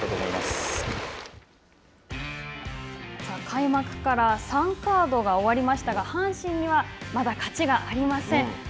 さあ、開幕から３カードが終わりましたが阪神には、まだ勝ちがありません。